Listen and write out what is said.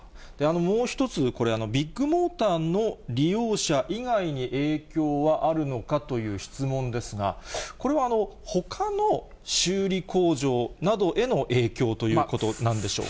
もう一つこれ、ビッグモーターの利用者以外に影響はあるのかという質問ですが、これはほかの修理工場などへの影響ということなんでしょうか。